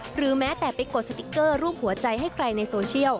หรือแม้แต่ไปกดสติ๊กเกอร์รูปหัวใจให้ใครในโซเชียล